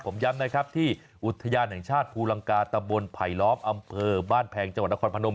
ผมย้ำนะครับที่อุทยานแห่งชาติภูลังกาตะบนไผลล้อมอำเภอบ้านแพงจังหวัดนครพนม